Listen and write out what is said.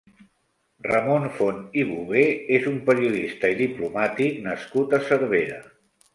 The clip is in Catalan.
Ramon Font i Bové és un periodista i diplomàtic nascut a Cervera.